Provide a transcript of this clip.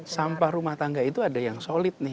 sampah rumah tangga itu ada yang solid nih